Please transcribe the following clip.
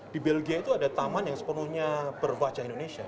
di belgia itu ada taman yang sepenuhnya berwajah indonesia